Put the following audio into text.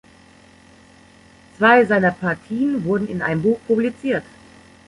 Zwei seiner Partien wurden in einem Buch publiziert.